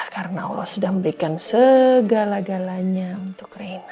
karena allah sudah memberikan segala galanya untuk reina